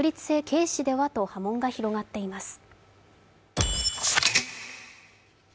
軽視ではと波紋が広がっています。